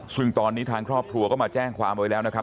ซึ่งตอนนี้ทางครอบครัวก็มาแจ้งความไว้แล้วนะครับ